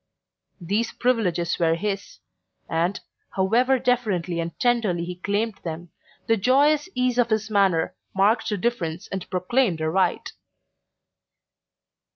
These privileges were his and, however deferently and tenderly he claimed them, the joyous ease of his manner marked a difference and proclaimed a right.